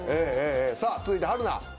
さぁ続いて春菜。